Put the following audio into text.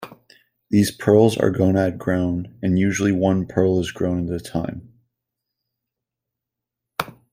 These pearls are gonad grown, and usually one pearl is grown at a time.